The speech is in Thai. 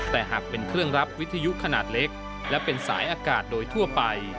แต่หากเป็นเครื่องรับวิทยุขนาดเล็กและเป็นสายอากาศโดยทั่วไป